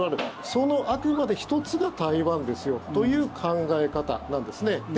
その、あくまで１つが台湾ですよという考え方なんですね。